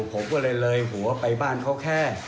ผมก็เลยเลยหัวไปบ้านเขาแค่